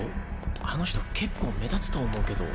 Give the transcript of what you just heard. あの人結構目立つと思うけど。